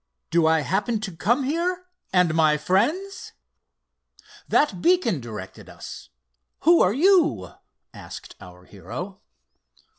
"Do I happen to come here—and my friends? That beacon directed us; who are you?" asked our hero.